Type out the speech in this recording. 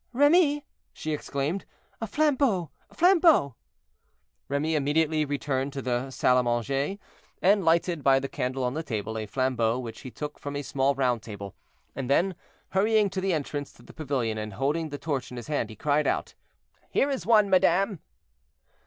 "Remy!" she exclaimed, "a flambeau, a flambeau!" Remy immediately returned to the salle a manger, and lighted, by the candle on the table, a flambeau which he took from a small round table, and then, hurrying to the entrance to the pavilion, and holding the torch in his hand, he cried out: "Here is one, madame."